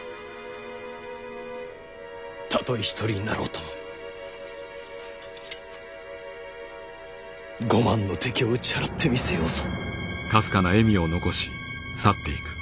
たとえ一人になろうとも５万の敵を打ち払ってみせようぞ。